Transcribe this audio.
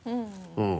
うん。